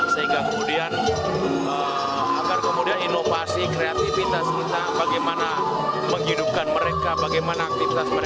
sehingga kemudian agar kemudian inovasi kreativitas kita bagaimana menghidupkan mereka bagaimana aktivitas mereka